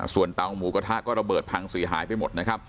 ส่วนเตาหมูกระทะก็ระเบิดพังสื่อหายไปหมด